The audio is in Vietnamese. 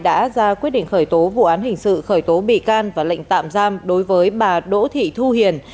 đã ra quyết định khởi tố vụ án hình sự khởi tố bị can và lệnh tạm giam đối với bà đỗ thị thu hiền